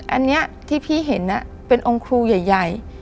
อันนี้ที่พี่เห็นเป็นองค์ครูใหญ่